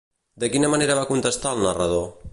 De quina manera va contestar el narrador?